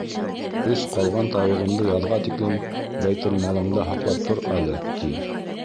— Өс ҡалған тауығымды яҙға тиклем бәйтелмалыңда һаҡлап тор әле, ти.